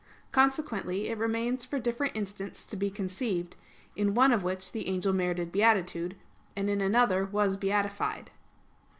Consequently, it remains for different instants to be conceived, in one of which the angel merited beatitude, and in another was beatified.